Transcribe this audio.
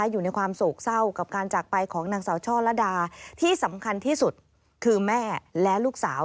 อยู่ในความโศกเศร้ากับการจากไปของนางสาวช่อละดาที่สำคัญที่สุดคือแม่และลูกสาว